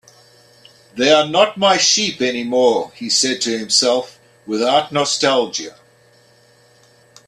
"They're not my sheep anymore," he said to himself, without nostalgia.